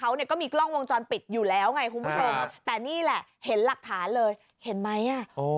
เขาเนี่ยก็มีกล้องวงจรปิดอยู่แล้วไงคุณผู้ชมแต่นี่แหละเห็นหลักฐานเลยเห็นไหมอ่ะ